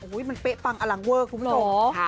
โอ้โหมันเป๊ะฟังอลังเวิร์กทุกคน